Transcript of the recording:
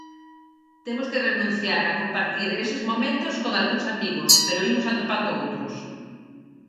Temos que renunciar a compartir eses momentos con algúns amigos, pero imos atopando outros.